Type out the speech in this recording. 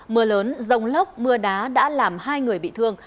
mưa lớn rông lốc mưa đá đã làm hai người bị thương